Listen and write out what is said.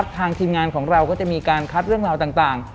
ทีมงานของเราก็จะมีการคัดเรื่องราวต่าง